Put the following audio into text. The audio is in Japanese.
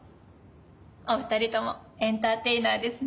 お二人ともエンターテイナーですね。